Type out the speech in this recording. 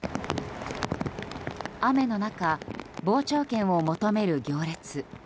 雨の中、傍聴券を求める行列。